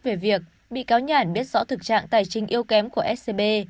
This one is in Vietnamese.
về việc bị cáo nhản biết rõ thực trạng tài trinh yêu kém của scb